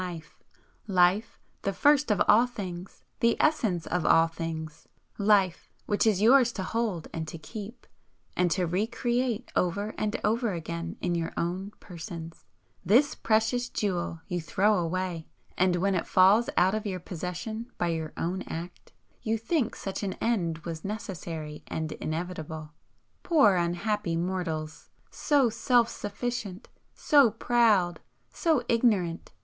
Life, the first of all things, the essence of all things, Life which is yours to hold and to keep, and to RE CREATE over and over again in your own persons, this precious jewel you throw away, and when it falls out of your possession by your own act, you think such an end was necessary and inevitable. Poor unhappy mortals! So self sufficient, so proud, so ignorant!